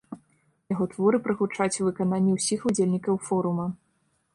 Яго творы прагучаць у выкананні ўсіх удзельнікаў форума.